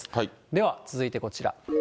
では続いてこちら。